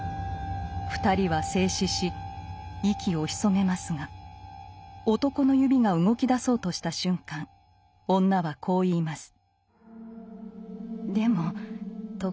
２人は静止し息を潜めますが男の指が動きだそうとした瞬間女はこう言います。